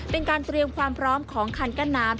เป็นการเตรียมความพร้อมของคันกั้นน้ำ